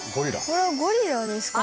これはゴリラですかね？